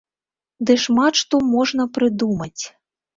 Ды шмат што можна прыдумаць!